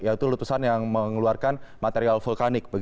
yaitu letusan yang mengeluarkan material vulkanik